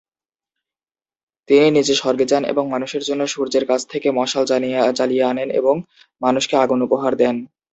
তিনি নিজে স্বর্গে যান এবং মানুষের জন্য সূর্যের কাছ থেকে মশাল জ্বালিয়ে আনেন এবং মানুষকে আগুন উপহার দেন।